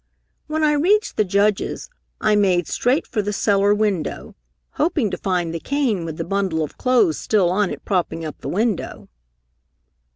"When I reached the Judge's, I made straight for the cellar window, hoping to find the cane with the bundle of clothes still on it propping up the window.